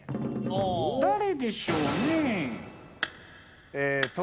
誰でしょうね？